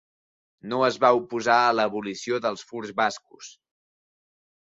No es va oposar a l'abolició dels furs bascos.